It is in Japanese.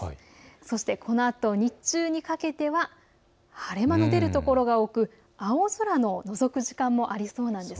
そしてこのあと日中にかけては晴れ間の出る所が多く、青空ののぞく時間もありそうなんです。